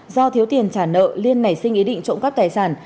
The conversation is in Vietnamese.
do thiếu tiền trả nợ liên nảy sinh ý định trộm cắp tài sản